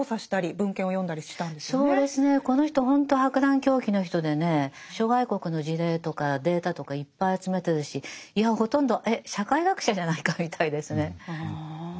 博覧強記の人でね諸外国の事例とかデータとかいっぱい集めてるしいやほとんどえ社会学者じゃないかみたいですね。